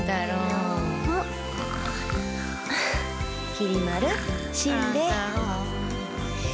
きり丸しんべヱ。